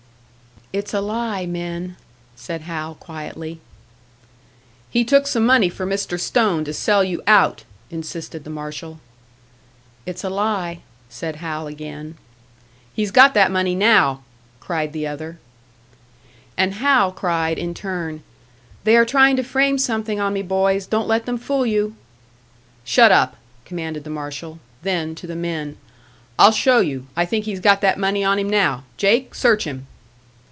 "It's a lie, men," said Hal, quietly. "He took some money from Mr. Stone to sell you out!" insisted the marshal. "It's a lie," said Hal, again. "He's got that money now!" cried the other. And Hal cried, in turn, "They are trying to frame something on me, boys! Don't let them fool you!" "Shut up," commanded the marshal; then, to the men, "I'll show you. I think he's got that money on him now. Jake, search him."